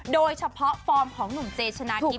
ด้วยเฉพาะฟอมของหนุ่มเจษนาทิพย์